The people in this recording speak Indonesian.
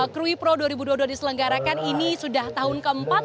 kruid pro dua ribu dua puluh dua diselenggarakan ini sudah tahun keempat